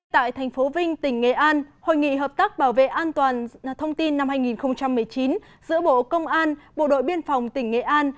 tại thành phố vinh tỉnh nghệ an hội nghị hợp tác bảo vệ an toàn thông tin năm hai nghìn một mươi chín giữa bộ công an bộ đội biên phòng tỉnh nghệ an